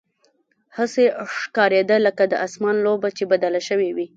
هسې ښکارېده لکه د اسمان لوبه چې بدله شوې وي.